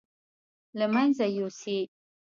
له مېنځه يوسي.